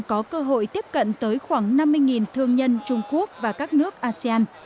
có cơ hội tiếp cận tới khoảng năm mươi thương nhân trung quốc và các nước asean